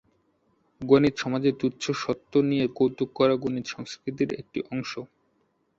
গণিত সমাজে তুচ্ছ সত্য নিয়ে কৌতুক করা গণিত সংস্কৃতির একটি অংশ।